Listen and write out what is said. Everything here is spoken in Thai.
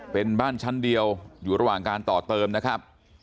เป็นบ้านชั้นเดียวอยู่ระหว่างการต่อเติมนะครับ